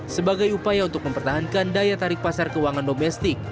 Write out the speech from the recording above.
sebagai upaya untuk mempertahankan daya tarik pasar keuangan domestik